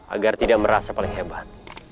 agar tidak merasa paling hebat